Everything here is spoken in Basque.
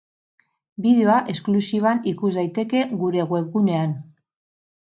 Bideoa esklusiban ikus daiteke gure webgunean.